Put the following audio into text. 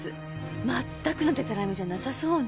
まったくのデタラメじゃなさそうね。